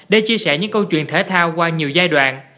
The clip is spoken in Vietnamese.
để chia sẻ những câu chuyện thể thao qua nhiều giai đoạn